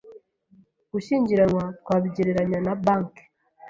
Gushyingiranwa twabigereranya na banki